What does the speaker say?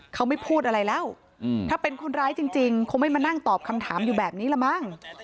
เขาไม่พูดอะไรแล้วถ้าเป็นคนร้ายจริงคงไม่มานั่งตอบคำถามอยู่แบบนี้ละมั้ง